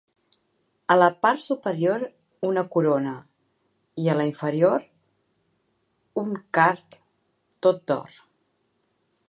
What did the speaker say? A la part superior, una corona; i a la inferior, un card, tot d'or.